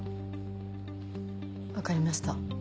分かりました。